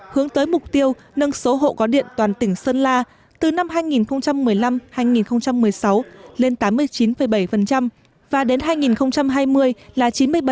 hướng tới mục tiêu nâng số hộ có điện toàn tỉnh sơn la từ năm hai nghìn một mươi năm hai nghìn một mươi sáu lên tám mươi chín bảy và đến hai nghìn hai mươi là chín mươi bảy